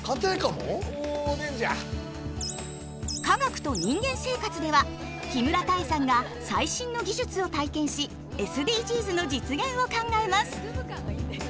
「科学と人間生活」では木村多江さんが最新の技術を体験しＳＤＧｓの実現を考えます。